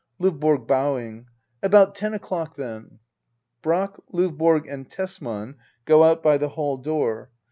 LOVBORG. [BofvingJi About ten o'clock, then. [Brack, LOvborg, and Tesman go out hy the hall door.